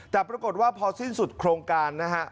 แต่ปรากฏว่าพอสิ้นสุดโครงการนะฮะ